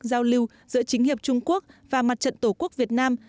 giao lưu giữa chính hiệp trung quốc và mặt trận tổ quốc việt nam